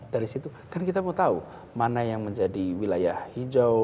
dari situ kan kita mau tahu mana yang menjadi wilayah hijau